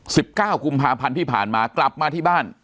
สิบเก้ากุมภาพันธ์ที่ผ่านมากลับมาที่บ้าน